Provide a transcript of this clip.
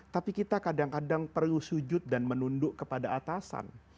tapi kita kadang kadang perlu sujud dan menunduk kepada atasan